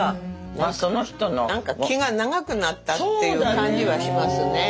まあその人の。何か気が長くなったっていう感じはしますね。